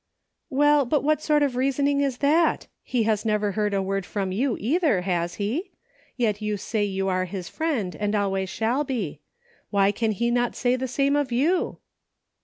" Well — but what sort of reasoning is that .'' He has never heard a word from you, either, has he ,'' Yet you say you are his friend, and always shall be. Why can he not say the same of you